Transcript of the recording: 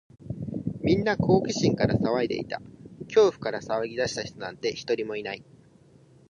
みんな好奇心から騒いでいた。恐怖から騒ぎ出した人なんて、一人もいない。